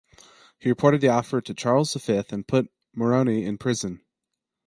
He reported the offer to Charles the Fifth and put Morone into prison.